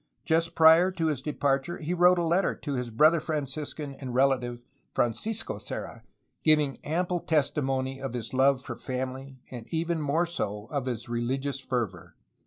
Just prior to his departure he wrote a letter to his brother Franciscan and relative, Francisco Serra, giving ample testimony of his love of family and even more so of his rehgious fervor.